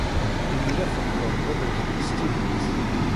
Imir-a teqqled d aberkan s tidet.